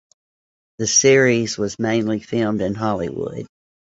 The series was mainly filmed in Hollywood.